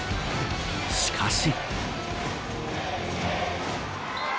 しかし。